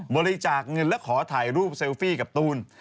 บริจาคเงินและขอถ่ายรูปเซลฟี่กับตูน